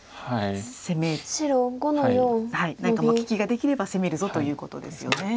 何か利きができれば攻めるぞということですよね。